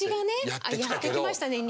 やってきましたね